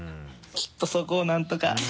ちょっとそこをなんとか。